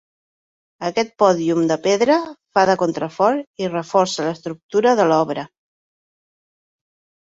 Aquest pòdium de pedra fa de contrafort i reforça l'estructura de l'obra.